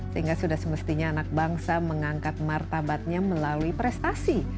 sehingga sudah semestinya anak bangsa mengangkat martabatnya melalui prestasi